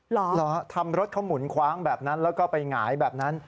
เหรอทำรถเขาหมุนคว้างแบบนั้นแล้วก็ไปหงายแบบนั้น